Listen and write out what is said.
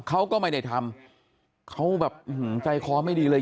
เขาก็ไม่ได้ทำเขาแบบใจคอไม่ดีเลย